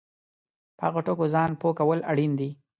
په هغو ټکو ځان پوه کول اړین دي